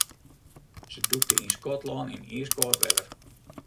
Se dûkte yn Skotlân yn iiskâld wetter.